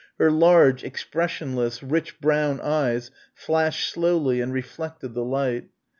Her large expressionless rich brown eyes flashed slowly and reflected the light.